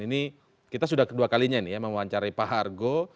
ini kita sudah kedua kalinya ini ya memuancari pak argo